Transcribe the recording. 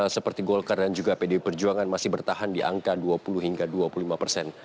seperti golkar dan juga pd perjuangan masih bertahan di angka dua puluh hingga dua puluh lima persen